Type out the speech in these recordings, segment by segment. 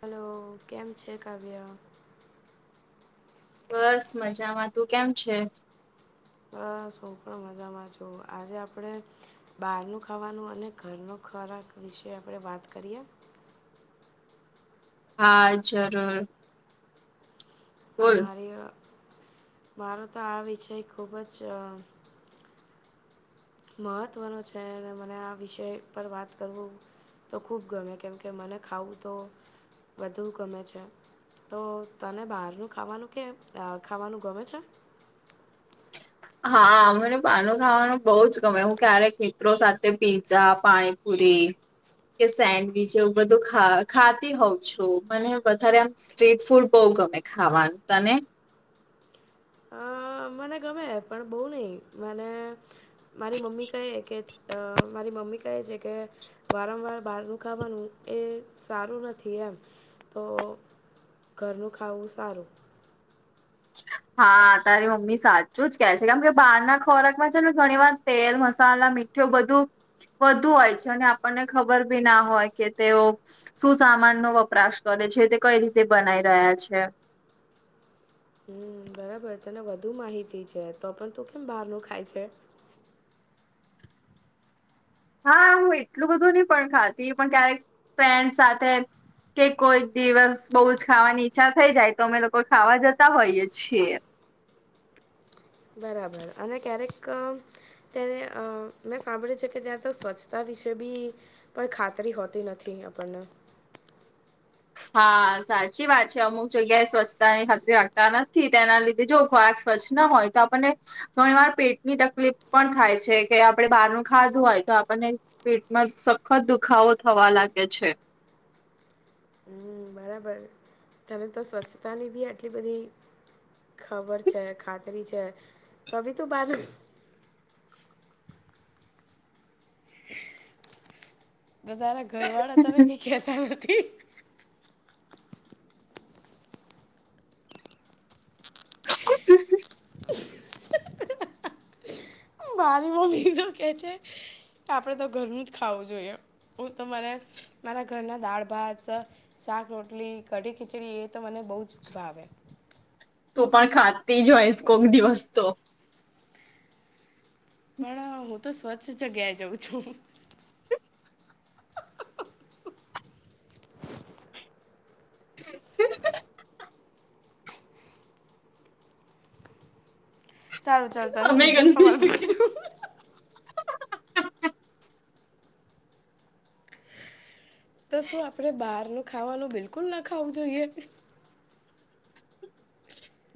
Hello કેમ છે કાવ્ય? બસ મજામાં તું કેમ છે? બસ હું પણ મજામાં છુ. આજે આપણે બહારનું ખાવાનું અને ઘરનો ખોરાક વિશે આપણે વાત કરીએ? હા જરૂર. બોલ મારે મારો તો આ વિષય ખૂબ જ મહત્ત્વનું છે અને મને આ વિષય પર વાત કરવું તો ખૂબ ગમે કેમ કે મને ખાવું તો વધુ ગમે છે. તો તને બહારનું ખાવાનું કે ખાવાનું ગમે છે? હા મને પાનું ખાવાનું બહુ જ ગમે હું ક્યારેક મિત્રો સાથે પીઝા, પાણીપુરી કે સેન્ડવીચ એવું બધું ખા ખાતી હોઉં છું. મને વધારે આમ સ્ટ્રીટ ફૂડ બઉ ગમે. ખાવાનું તને? અ મને ગમે પણ બહુ નહીં મને મારી મમ્મી કહે કે જ અ મારી મામ્મી કહે છે કે વારંવાર બહારનું ખાવાનું એ સારું નથી એમ તો ઘરનું ખાવું સારું. હ હા તારી મમ્મી સાચું જ કે છે, કેમ કે બહાર ના ખોરાકમાં છે ને ઘણી વાર તેલ મસાલા મીઠ બધું વધુ હોય છે અને આપણને ખબર બી ના હોય કે તેઓ શું સામાન નો વપરાશ કરે છે, તે કઈ રીતે બનાવી રહ્યા છે? હમ બરાબર તને વધુ માહિતી છે, તો પણ તું કેમ બહાર નુ ખાય છે. હા હું એટલું બધું નહી પણ ખાતી પણ ક્યારેક ફ્રેન્ડ સાથે કે કોઈ દિવસ બહુ જ ખાવાની ઈચ્છા થઈ જાય તો અમે લોકો ખાવા જતા હોઈએ છીએ. બરાબર અને ક્યારેક ત્યારે અ મેં સાંભળ્યું છે, કે ત્યાં તો સ્વચ્છતા વિશે બી. પણ ખાતરી હોતી નથી આપણને હા સાચી વાત છે, અમુક જગ્યાએ સ્વચ્છતાની ખાતરી રાખતા નથી તેના લીધે જો ખોરાક સ્વચ્છ ન હોય. તો આપણને ઘણી વાર પેટની તકલીફ પણ થાય છે, કે આપણે બહારનું ખાધું હોય તો આપણને પેટમાં સખત દુખાવો થવા લાગે છે. હમ બરાબર તમે તો સ્વચ્છતાની બી અટલી બધી ખબર છે, ખાતરી છે, તો ભી તુ બાર નુ. બધારા ઘર વાળા તને કાય કેહેતા નથી? [unintelligible] હમ મારી મમ્મી તો કે છે, કે આપડે તો ઘરનું જ ખાવું જોઈએ. હું તો મને મારા ઘરના દાળ ભાત શાક રોટલી કઢી ખીચડી એ તો મને બહુ જ ભાવે. તું પણ ખાતી જ હોયસ કોક દિવસ તો. પણ હું તો સ્વચ્છ જગ્યાએ જઉં છું. [inaudible] સારું ચલ ચલ હું અમે બીજો ગંદી સવાલ જગ્યા પુછુ. તો શું આપડે બહારનું ખાવાનું બિલકુલ ના ખાવું જોઈએ?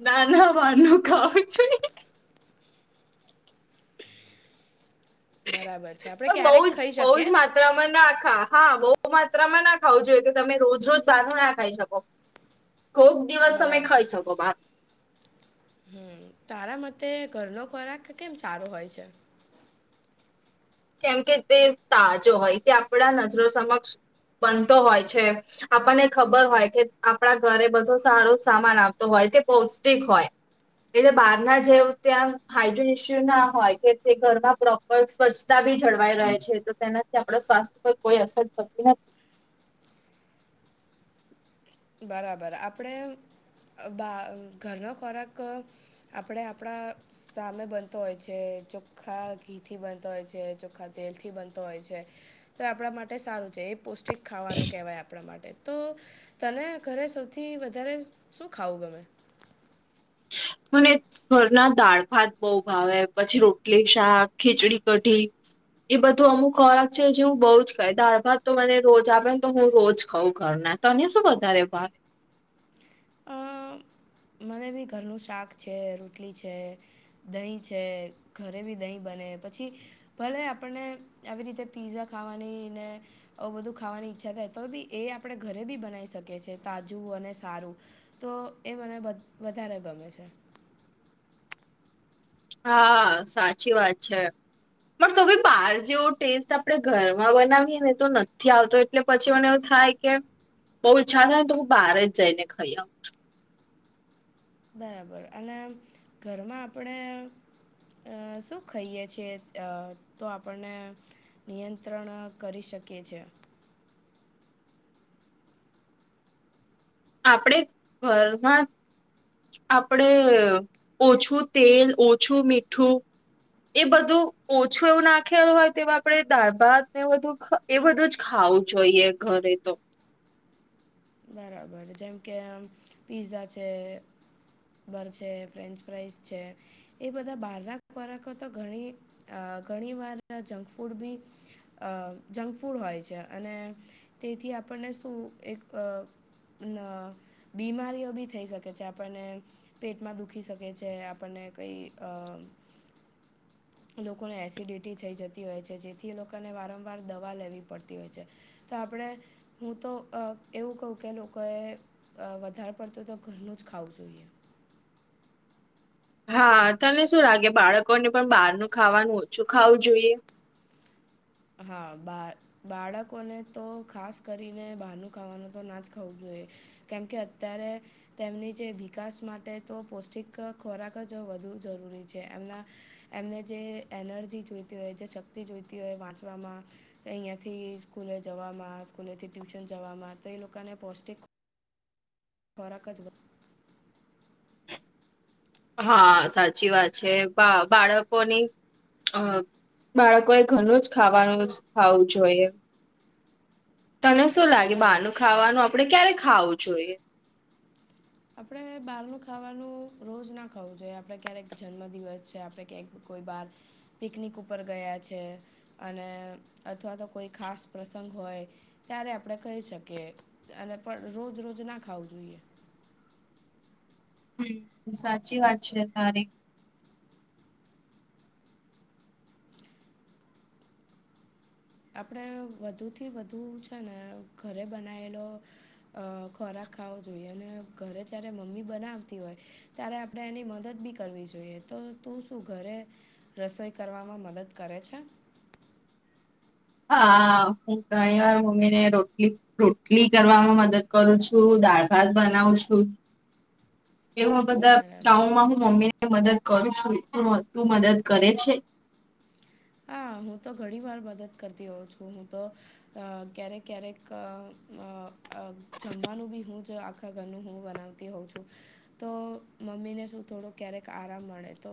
ના ના બાર નુ ખાવું છે. બરાબર છે આપણે બઉજ ક્યારેક ખાઈ બઉજ શકીએ માત્રામાં ના ખા. હા બહુ માત્રામાં ના ખાવ જોએ કે તમે રોજ રોજ બાર ના ખાઈ શકો. કોક દિવસ તમે બરાબર ખાઈ શકો બાર. હમ તારા મતે ઘરનો ખોરાક કેમ સારો હોય છે. કેમ કે તે તાજો હોય તે આપડા નજરો સમક્ષ બનતો હોય છે. આપણને ખબર હોય કે આપણા ઘરે બધો સારો જ સામાન આવતો હોય તે પૌષ્ટિક હોય. એટલે બહાર ના જેવ ત્યાં હાજીન ઇસ્યુ ના હોય કે તે ઘરમાં પ્રોપર સ્વચછ તા બી જળવાઈ રહે છે તો તેનાથી આપણા સ્વાસ્થ્ય પર કોઈ અસર થતી નથી. બરાબર આપણે બા ઘરનો ખોરાક આપણે આપણા સામે બનતો હોય છે જો ચોખ્ખા ઘી થી બનતો હોય છે ચોખ્ખા તેલથી બનતો હોય છે તો આપણા માટે સારું છે એ પૌષ્ટિક ખાવાનું કહેવાય આપણા માટે તો તને ઘરે સૌથી વધારે શું ખાવું ગમે. મને. ઘરના દાળ ભાત બઉ ભાવે પછી રોટલી શાક ખીચડી કઢી. એ બધું અમુક ખોરાક છે જેવું બઉજ ખાય દાળ ભાત તો મને રોજ આપે ને તો હું રોજ ખાઉં ઘરના તને શું વધારે ભા. મરે બી ઘરનું શાક છે રોટલી છે. દહીં છે ઘરે બી દહીં બને પછી. ભલે આપણને આવી રીતે પીઝા ખાવાની ને. બધું ખાવાની ઈચ્છા થાય તો બી એ આપણે ઘરે બી બનાવી શકીએ છેએ તાજું અને સારું. તો એ મને બ વધારે ગમે છે. હા હા સાચી વાત છે. પણ તો બી બહાર જેવો ટેસ્ટ આપણે ઘરમાં બનાવીએ ને તો નથી આવતો એટલે પછી મને એવું થાય કે બઉજ ઈચ્છા થય ને તો હું બારેજ જઈને ખાઈ આવું. બરાબર અને ઘરમાં આપણે અ શું ખાઈએ છીએ અ તો આપણને નિયંત્રણ કરી શકે છે. આપડે ઘરમાં આપડે ઓછું તેલ ઓછું મીઠું એ બધું ઓછું એવું નાખેલું હોય તો આપણે દાર ભાત ને બધું એ બધું જ ખાવું જોઈએ ઘરે તો. બરાબર જેમ કે આમ પીઝા છે. બર્ગર છે ફ્રેન્ચ ફ્રાઈઝ છે એ બધા બહારના ખોરાક તો ઘણી અ ઘણી વાર જંક ફૂડ બી જંક ફૂડ હોય છે અને તેથી આપણને શું એક બીમારીઓ બી થઈ શકે છે આપણને પેટમાં દુખી શકે છે આપણને કઈ અ લોકોને એસિડિટી થઈ જતી હોય છે જેથી લોકોને વારંવાર દવા લેવી પડતી હોય છે. તો આપડે હું તો એવું કહું કે લોકોએ વધારે પડતું તો ઘરનું જ ખાવું જોઈએ. હા તને શું લાગે બાળકોને પણ બહારનું ખાવાનું ઓછું ખાવું જોઈએ. હા બાર બાળકોને તો ખાસ કરીને બહાનનું ખાવાનું તો ના જ ખાવું જોઈએ કેમકે અત્યારે તેમની જે વિકાસ માટે તો પૌષ્ટિક ખોરાક જ વધુ જરૂરી છે એમના એમને જે એનર્જી જોઈતી હોય જે શક્તિ જોઈતી હોય વાંચ વામાં અહીંયાથી સ્કૂલે જવામાં સ્કૂલેથી ટ્યુશન જવામાં તો એ લોકોને પૌષ્ટિક ખોરક [unintelligible] હા સાચી વાત છે બા બાળકોની અ બાળકો એ ઘણું જ ખાવાનું જ ખાવું જોઈએ. તને શું લાગે બ બહારનું ખાવાનું આપડે ક્યારે ખાવું જોઈએ? આપણે બહારનું ખાવાનું રોજ ના ખાવું જોઈએ આપણે ક્યારેક જન્મદિવસ છે આપણે ક્યાંક કોઈ બાર પિકનિક ઉપર ગયા છે અને અથવા તો કોઈ ખાસ પ્રસંગ હોય. ત્યારે આપણે ખહી શકીએ અને પણ રોજ રોજ ના ખાવું જોઈએ. હમ સાચી વાત છે તારી. આપણે વધુથી વધુ છે ને ઘરે બનાયેલો અ ખોરાક ખાવો જોઈએ અને ઘરે જ્યારે મમ્મી બનાવતી હોય. ત્યારે આપણે એની મદદ બી કરવી જોઈએ તો તું શું ઘરે રસોઈ કરવામાં મદદ કરે છે? હા હું ઘણી વાર મમ્મી ને રોટલી રોટલી કરવામાં મદદ કરું છું દાળ ભાત બનાવું છું. [inaudible] એ બધા કામ બરાબર માં હું મમ્મી ને મદદ કરું છું તું મદદ કરે છે? હા હું તો ઘણી વાર મદદ કરતી હોઉ છું હું તો ક્યારેક ક્યારેક જમવાનું બી હું જ આખા ઘરનું હું બનાવતી હોઉં છું. તો મમ્મીને શું થોડુંક ક્યારેક આરામ મળે તો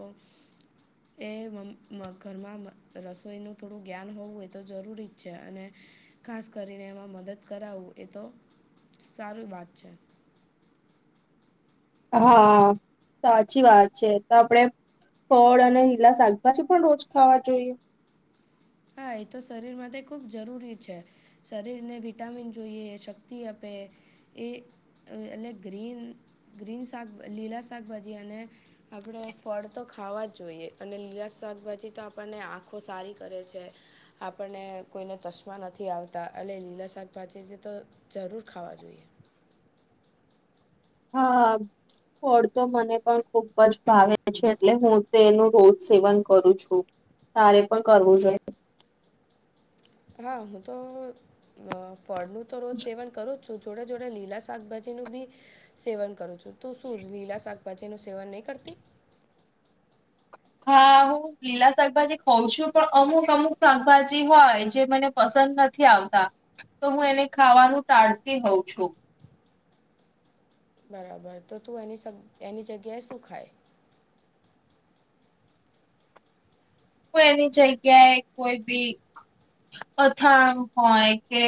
એ મમ મ ઘરમાં રસોઈનું થોડું જ્ઞાન હોવું એ તો જરૂરી જ છે અને ખાસ કરીને એમાં મદદ કરાવું એ તો સારી વાત છે. હા સાચી વાત છે તો આપડે ફળ અને લીલા શાકભાજી પણ રોજ ખાવા જોઈએ. હા એ તો શરીર માટે ખુબ જરૂરી છે. શરીરને વિટામિન જોઈએ શક્તિ આપે એ એ અને ગ્રીન ગ્રીન શાક લીલા શાકભાજી અને આપણે ફળ તો ખાવા જ જોઈએ. અને લીલા શાકભાજી તો આપણને આંખો સારી કરે છે, આપણને કોઈને ચશ્મા નથી આવતા એટલે લીલા શાકભાજી જે તો જરૂર ખાવા જોઈએ. હા હા ફળ તો મને પણ ખુબ જ ભાવે છે એટલે હું તે એનું રોજ સેવન કરું છું. તારે પણ કરવું જોઈએ. હા હું તો ફળનું તો રોજ સેવન કરું છુ જોડે જોડે લીલા સાકભાજી નું ભી સેવન કરું છું તું શું લીલા શાકભાજી નું સેવન નહીં કરતી? હા લીલા શાકભાજી ખાઉ છું પણ અમુક અમુક શાકભાજી હોય જે મને પસંદ નથી આવતા તો હું એને ખાવાનું ટાળતી હોઉ છું. બરાબર તો તું એની એની જગ્યાએ શું ખાય? હુ એની જગ્યાએ કોઈ બી અથાણ હોય કે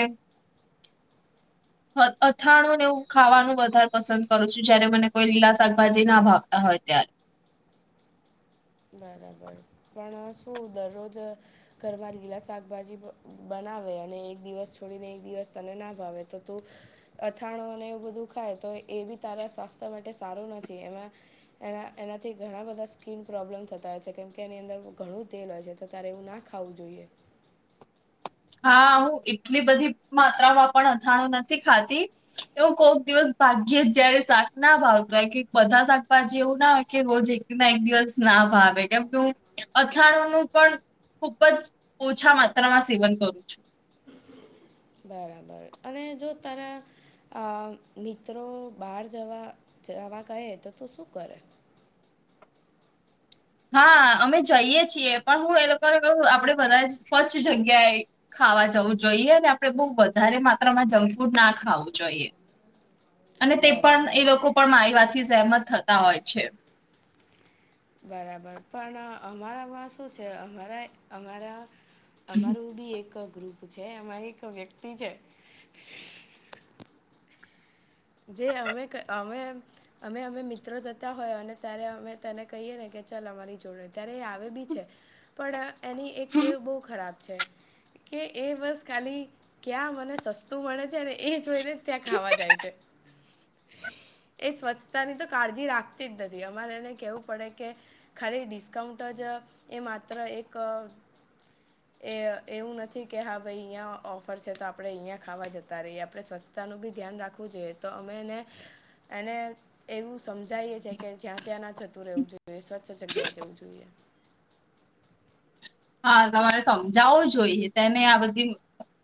અથાણુંને એવું ખાવાનું વધારે પસંદ કરું છું જયારે મને કોઈ લીલા શાકભાજી ના ભાવતા હોય ત્યારે બરાબર પણ શું દરરોજ ઘરમાં લીલા શાકભાજી બનાવે અને એક દિવસ છોડીને એક દિવસ તને ના ભાવે તો તું અથાણો અને એવું બધું ખાય તો એ બી તારા સ્વાસ્થ્ય માટે સારું નથી એમાં એના એનાથી ઘણા બધા સ્કીન પ્રોબ્લેમ થતા હોય છે કેમ કે એની અંદર ઘણું તેલ હોય છે તો તારે એવું ના ખાવું જોઈએ. હા હું એટલી બધી માત્રામાં પણ અથાણું નથી ખાતી એવું કોક દિવસ ભાગ્યે જયારે શાક ના ભાવતો હોય કે બધા શાકભાજી એવું ના હોય કે રોજ દિવસ ના ભાવે કેમ કે હ અથાણું નું પણ ખુબ જ ઓછા માત્રામાં સેવન કરું છું. બરાબર અને જો તારા અ મિત્રો બહાર જવા જવા કહે તો તું શું કરે? હા અમે જઈએ છીએ પણ હું એ લોકોને કહ આપડે બધા સ્વચ્છ જગ્યાએ ખાવા જવું જોઈએ અને આપણે બહ વધારે માત્રામાં જંક ફૂડ ના ખાવું જોઈએ. [inaudible] અને તે પણ એ બરાબર લોકો પણ મારી વાતથી સહેમત થતા હોય છે. બરાબર પણ અમારામાં શું છે અમારા અમારા અમારું બી એક ગ્રુપ છે અમારી એક વ્યક્તિ છે. જે અમે અમે અમે અમે મિત્રો જતા હોય અને ત્યારે અમે તેને કહીએ ને કે ચાલ અમારી જોડે ત્યારે એ આવે બી છે પણ. એની એક ટેવ બહુ ખરાબ છે. કે એ બસ ખાલી ક્યાં મને સસ્તું મળે છે ને એ જોઈને ત્યાં ખાવા જાય છે. એ સ્વચ્છતા ની તો કાળજી રાખતી જ નથી અમારે એને કેવું પડે કે ખાલી ડિસ્કાઉન્ટ જ એ માત્ર એક. એ એવું નથી કે હા ભાઈ અહંયા ઓફર છે તો આપડે અહિયાયા ખાવા જતા રહીએ આપણે સ્વ પોતાનું બી ધ્યાન રાખવું જોઈએ તો અમે એને એને એવું સમજાવીએ છીએ કે જ્યાં અત્યાં ના જતું રહેવું જોઈએ સ્વચ્છ જગ્યાએ જવું જોઈએ. હા તમારે સમજાવું જોઈએ તેને આ બધી.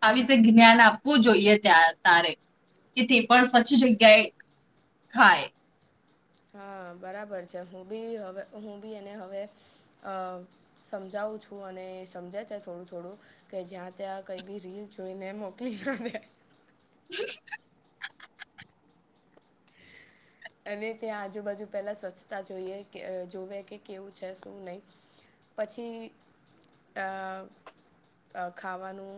આવી વિશે જ્ઞાન આપવું જોઈએ ત્યાં તારે કે તે પણ સ્વચ્છ જગ્યાએ. થાય. હા બરાબર છે હું બી હવે હું બી એને હવે. સમજાવું છું અને સમજે છે થોડું થોડું. કે જ્યાં ત્યાં કઈ બી રીલ જોઈને મોકલી ને. હમ. [inaudible] અને ત્યાં આજુબાજુ પહેલાં સ્વચ્છતા જોઈએ કે જોવેએ કે કેવું છે શું નહીં. પછી. ખાવાનું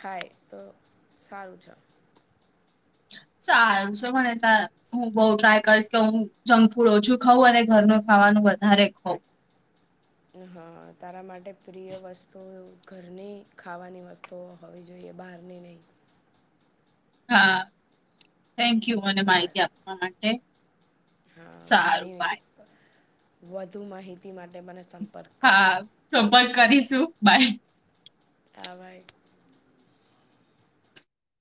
ખાય તો સારું છે. સારુ છે મ નેતા. હું બઉ ટ્રાય કરીશ કે હું જંક ફૂડ ઓછું ખઉં અને ઘરનું ખાવાનું વધારે ખઉં. હા તારા માટે પ્રિય વસ્તુ ઘરની ખાવાની વસ તો હવે જોઈએ બહારની નહીં. હા થેન્કયુ મને સાર માહિતી આપવા માટે. હા સારું ઘણી બાય વધુ માહિતી માટે મને સમ હા સંપર્ક કરીશું બાય. હા વાઈ.